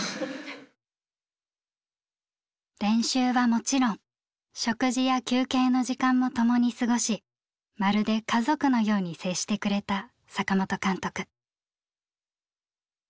練習はもちろん食事や休憩の時間も共に過ごしまるで家族のように接してくれた坂本監督。